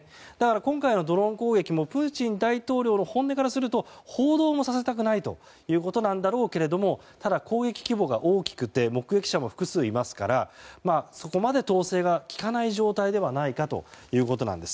今回のドローン攻撃もプーチン大統領の本音からすると報道もさせたくないということなのだろうけどただ、攻撃規模が大きくて目撃者も複数いますからそこまで統制が効かない状態ではないかということです。